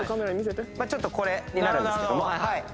ちょっとこれになるんですけども。